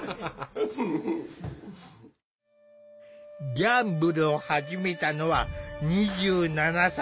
ギャンブルを始めたのは２７歳。